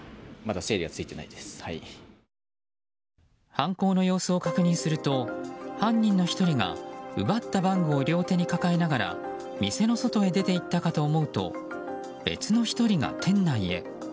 犯行の様子を確認すると犯人の１人が奪ったバッグを両手に抱えながら店の外へ出ていったかと思うと別の１人が店内へ。